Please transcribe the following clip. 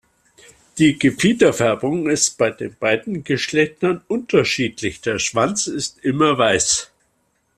Die Gefiederfärbung ist bei den beiden Geschlechtern unterschiedlich, der Schwanz ist immer weiß.